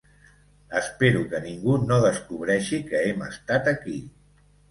Espero que ningú no descobreixi que hem estat aquí.